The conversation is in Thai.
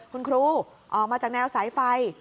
คุณครูออกมาจากแนวสายไฟ